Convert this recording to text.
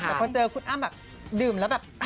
แต่พอเจอคุณอ้ำแบบดื่มแล้วแบบ